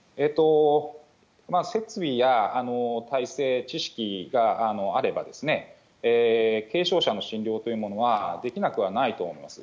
設備や体制、知識があれば、軽症者の診療というものはできなくはないと思います。